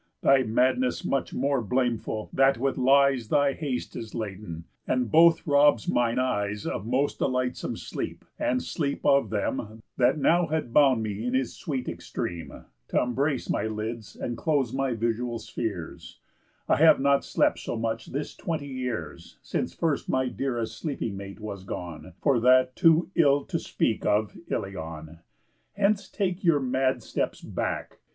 Thy madness much more blameful, that with lies Thy haste is laden, and both robs mine eyes Of most delightsome sleep, and sleep of them, That now had bound me in his sweet extreme, T' embrace my lids and close my visual spheres: I have not slept so much this twenty years, Since first my dearest sleeping mate was gone For that too ill to speak of Ilion. Hence, take your mad steps back.